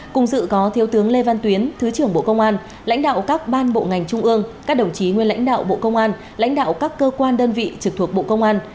cùng dự có thiếu tướng lê văn tuyến thứ trưởng bộ công an lãnh đạo các ban bộ ngành trung ương các đồng chí nguyên lãnh đạo bộ công an lãnh đạo các cơ quan đơn vị trực thuộc bộ công an